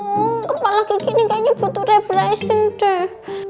tuh kepala kayak gini kayaknya butuh reprising deh